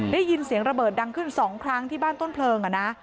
ได้ยินเสียงระเบิดดังขึ้น๒ครั้งที่บ้านต้นเพลิง